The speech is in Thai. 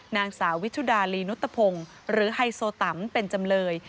นางสาววิชุดาลีนุตพงศ์หรือไฮโซตัมเป็นจำเลย